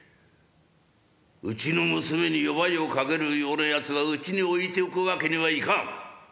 『うちの娘に夜ばいをかけるようなやつはうちに置いておくわけにはいかん。